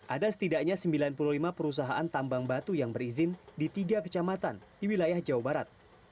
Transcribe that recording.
ada setidaknya sembilan puluh lima perusahaan tambang batu yang berizin di tiga kecamatan di wilayah jawa barat